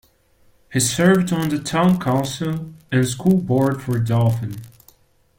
He served on the town council and school board for Dauphin.